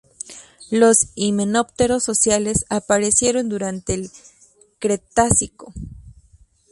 Los himenópteros sociales aparecieron durante el Cretácico.